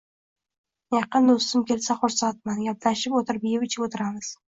Yaqin doʻstim kelsa xursandman, gaplashib oʻtirib yeb ichib oʻtiramiz.